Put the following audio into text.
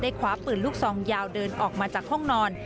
คว้าปืนลูกซองยาวเดินออกมาจากห้องนอน